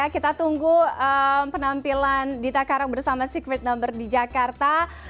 kita tunggu penampilan dita karang bersama secret number di jakarta